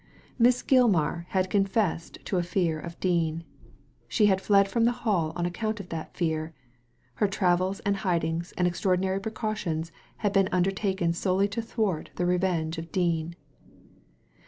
Miss Gilmar had confessed to a fear of Dean. She had fled from the Hall on account of that fear ; her travels and hidings and extraordinary precautions had been undertaken solely to thwart the revenge of Dean.